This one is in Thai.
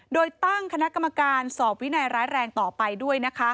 โดยตั้งคณะกรรมการสอบวินัยร้ายแรงต่อไปด้วย